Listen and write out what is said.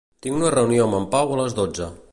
Tinc una reunió amb en Pau a les dotze.